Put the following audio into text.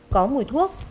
có mùi thuốc